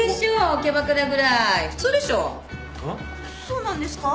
そうなんですか？